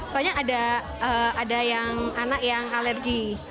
soalnya ada yang anak yang alergi